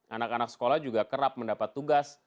anak anak sekolah juga kerap mendapat tugas